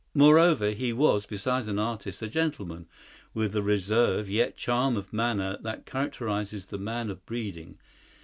Moreover, he was, besides an artist, a gentleman, with the reserve yet charm of manner that characterizes the man of breeding.